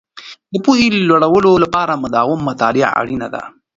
د پوهې د لوړولو لپاره مداوم مطالعه اړینې دي.